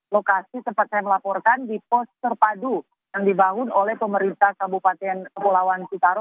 lokasi tempat saya melaporkan di pos terpadu yang dibangun oleh pemerintah kabupaten kepulauan citaro